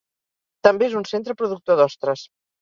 També és un centre productor d'ostres.